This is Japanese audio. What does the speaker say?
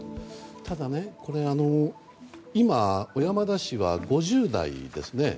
ただ、これは今、小山田氏は５０代ですね。